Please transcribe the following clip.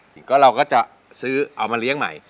เราก็จะซื้อเอามาเลี้ยงใหม่